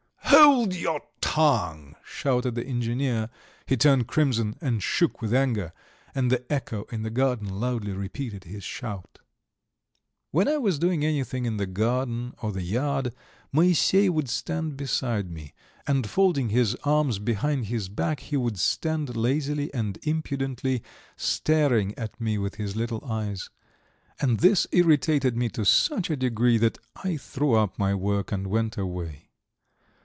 "Hold your tongue!" shouted the engineer; he turned crimson and shook with anger ... and the echo in the garden loudly repeated his shout. XII When I was doing anything in the garden or the yard, Moisey would stand beside me, and folding his arms behind his back he would stand lazily and impudently staring at me with his little eyes. And this irritated me to such a degree that I threw up my work and went away.